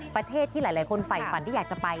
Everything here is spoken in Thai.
ประเทศที่หลายคนฝ่ายฝันที่อยากจะไป